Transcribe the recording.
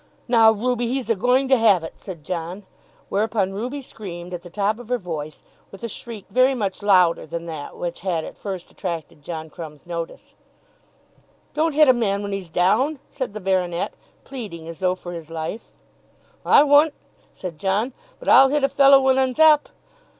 "Now, Ruby, he's a going to have it," said John. Whereupon Ruby screamed at the top of her voice, with a shriek very much louder than that which had at first attracted John Crumb's notice. [Illustration: "Get up, you wiper."] "Don't hit a man when he's down," said the baronet, pleading as though for his life. "I wunt," said John; "but I'll hit a fellow when 'un's up."